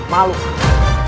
sampai jumpa lagi